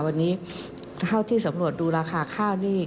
วันนี้เท่าที่สำรวจดูราคาข้าวนี่